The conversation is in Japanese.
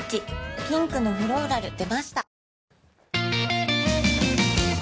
ピンクのフローラル出ました